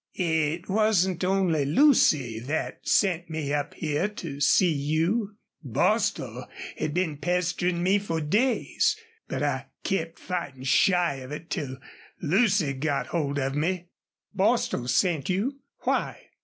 "It wasn't only Lucy thet sent me up here to see you. Bostil had been pesterin' me fer days. But I kept fightin' shy of it till Lucy got hold of me." "Bostil sent you? Why?"